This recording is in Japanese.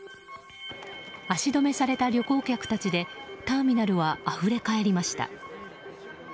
足止めされた旅行客たちでターミナルはあふれかえりました。